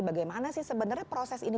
bagaimana sih sebenarnya proses ini